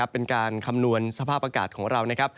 เป็นการคำนวณสภาพอากาศของเรานะครับ